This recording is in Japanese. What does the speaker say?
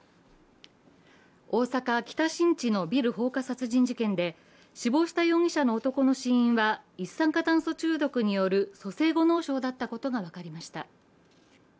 大阪・北新地のビル放火殺人事件で死亡した容疑者の男の死因は一酸化炭素中毒による蘇生後脳症だったことが分かりました。